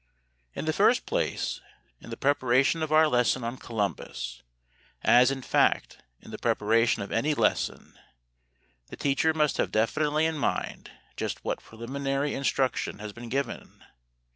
In the first place, in the preparation of our lesson on Columbus, as, in fact, in the preparation of any lesson, the teacher must have definitely in mind just what preliminary instruction has been given.